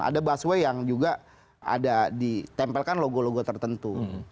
ada busway yang juga ada ditempelkan logo logo tertentu